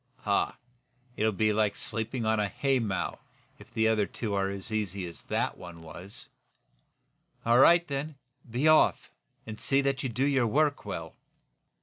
"Huh! It'll be like sleeping on a haymow, if the other two are as easy as that one was." "All right, then! Be off, and see that you do your work well!"